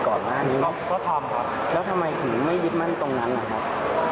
กลัวแล้วทำทำทำไมทำทำไหม